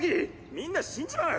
みんな死んじまう。